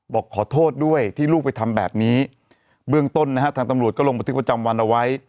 บอกขอโทษด้วยที่ลูกไปทำแบบนี้เบื้องต้นนะฮะทางตำรวจก็ลงบันทึกประจำวันเอาไว้